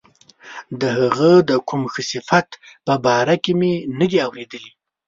د هغه د کوم ښه صفت په باره کې مې نه دي اوریدلي.